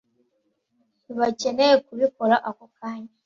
Ntibakeneye kubikora ako kanya